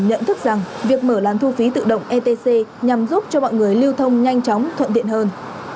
nhận thức rằng việc mở làn thu phí tự động etc nhằm giúp cho mọi người lưu thông nhanh chóng thuận tiện hơn